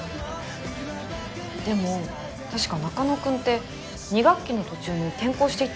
でも確か中野くんって２学期の途中に転校していったんだよね。